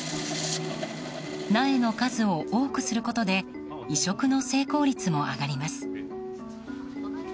苗の数を多くすることで移植の成功率も上がります。